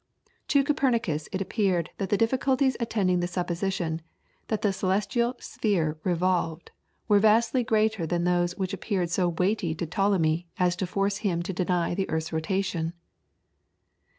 To Copernicus it appeared that the difficulties attending the supposition that the celestial sphere revolved, were vastly greater than those which appeared so weighty to Ptolemy as to force him to deny the earth's rotation.